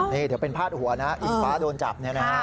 นี่เดี๋ยวเป็นพาดหัวนะอิงฟ้าโดนจับเนี่ยนะฮะ